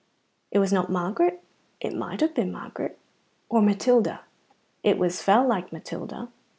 It was not Margaret? It might have been Margaret. Or Matilda? It was fell like Matilda.